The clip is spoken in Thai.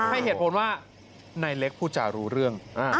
ให้เหตุผลว่านายเล็กผู้จารู้เรื่อง